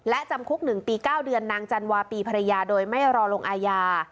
และจำคุก๑ปี๙เดือนนางจันวาปีภรรยาโดยไม่รอลงอาญา